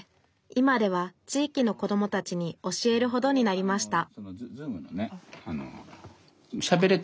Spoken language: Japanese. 今では地域の子どもたちに教えるほどになりました